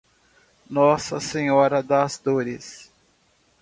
Nossa Senhora das Dores